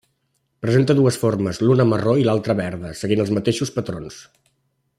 Presenta dues formes, l'una marró i l'altra verda, seguint els mateixos patrons.